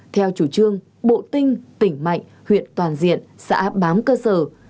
theo chủ trương bộ tinh tỉnh mạnh huyện toàn diện xã bám cơ sở